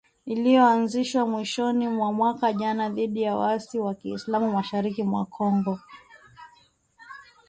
iliyoanzishwa mwishoni mwa mwaka jana dhidi ya waasi wa kiislamu mashariki mwa Kongo